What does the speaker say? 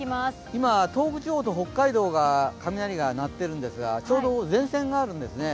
今、東北地方と北海道が雷が鳴っているんですがちょうど前線があるんですね。